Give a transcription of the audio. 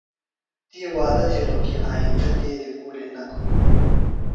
تی وعدہ تِھیلو کی آئیندہ دیدیۡ گُولیۡ نہ کھو۔